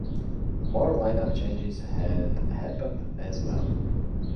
More lineup changes had happened as well.